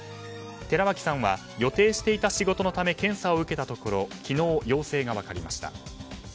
寺脇さんは予定していた仕事のため検査を受けたところ昨日、陽性が分かりました。